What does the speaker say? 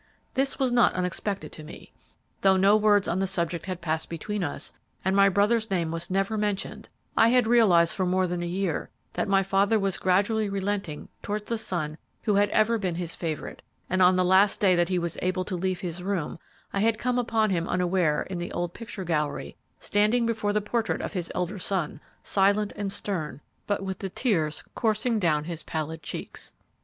This was not unexpected to me. Though no words on the subject had passed between us and my brother's name was never mentioned, I had realized for more than a year that my father was gradually relenting towards the son who had ever been his favorite, and on the last day that he was able to leave his room, I had come upon him unaware in the old picture gallery, standing before the portrait of his elder son, silent and stern, but with the tears coursing down his pallid cheeks.